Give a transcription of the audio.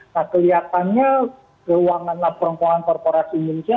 nah kelihatannya ruangan laporan keuangan korporasi indonesia